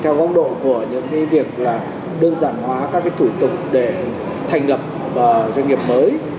theo góc độ của những việc là đơn giản hóa các thủ tục để thành lập doanh nghiệp mới